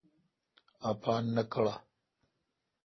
اپان نہ کڑہ۔